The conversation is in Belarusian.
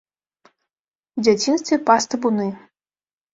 У дзяцінстве пас табуны.